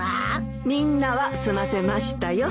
みんなは済ませましたよ。